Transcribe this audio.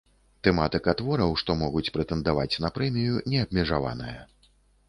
Тэматыка твораў, што могуць прэтэндаваць на прэмію, не абмежаваная.